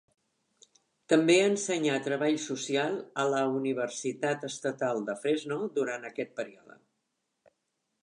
També ensenyà treball social a la Universitat Estatal de Fresno durant aquest període.